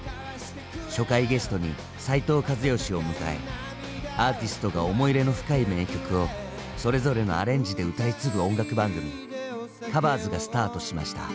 初回ゲストに斉藤和義を迎えアーティストが思い入れの深い名曲をそれぞれのアレンジで歌い継ぐ音楽番組「カバーズ」がスタートしました。